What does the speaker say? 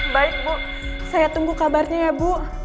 baik bu saya tunggu kabarnya ya bu